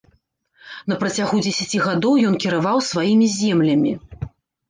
На працягу дзесяці гадоў ён кіраваў сваімі землямі.